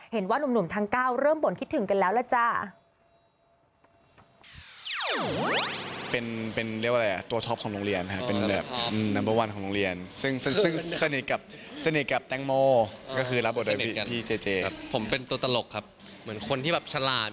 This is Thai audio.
เห็นว่าหนุ่มทั้ง๙เริ่มบ่นคิดถึงกันแล้วล่ะจ๊ะ